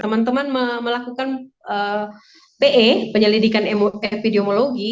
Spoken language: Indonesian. teman teman melakukan pe penyelidikan epidemiologi